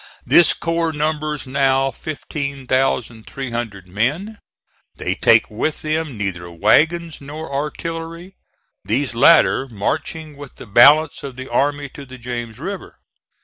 This corps numbers now 15,300 men. They take with them neither wagons nor artillery; these latter marching with the balance of the army to the James River.